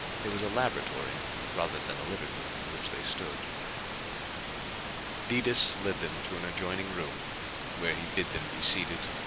It was a laboratory rather than a living room in which they stood. Detis led them to an adjoining room where he bid them be seated.